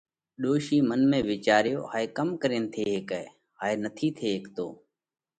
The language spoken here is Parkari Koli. ڏوشِي منَ ۾ وِيچاريو، هائي ڪم ڪرينَ ٿي هيڪئه؟ هائي نٿِي ٿي هيڪتو۔